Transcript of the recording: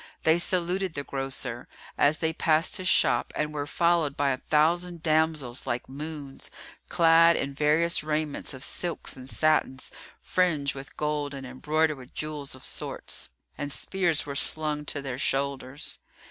They saluted the grocer, as they passed his shop and were followed by a thousand damsels like moons, clad in various raiments of silks and satins fringed with gold and embroidered with jewels of sorts, and spears were slung to their shoulders.